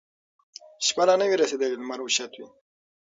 شپه لا نه وي رسېدلې لمر اوچت وي